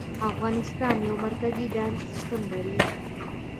افغانستان یو مرکزي اداري سیستم لري